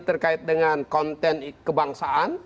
terkait dengan konten kebangsaan